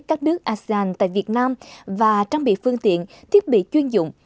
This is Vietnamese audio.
các nước asean tại việt nam và trang bị phương tiện thiết bị chuyên dụng